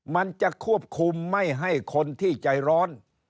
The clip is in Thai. มันจะควบคุมไม่ให้คนที่ใจร้อน